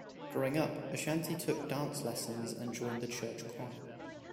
Growing up, Ashanti took dance lessons and joined the church choir.